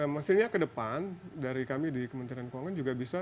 maksudnya ke depan dari kami di kementerian keuangan juga bisa